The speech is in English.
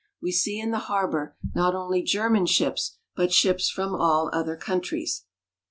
We see in the harbor, not only German ships, but ships from all other countries.